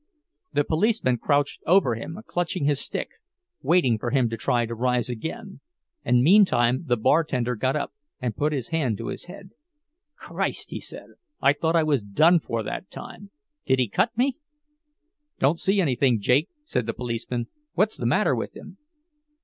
The policeman crouched over him, clutching his stick, waiting for him to try to rise again; and meantime the barkeeper got up, and put his hand to his head. "Christ!" he said, "I thought I was done for that time. Did he cut me?" "Don't see anything, Jake," said the policeman. "What's the matter with him?"